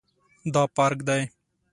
دا پارک دی